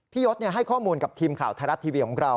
ยศให้ข้อมูลกับทีมข่าวไทยรัฐทีวีของเรา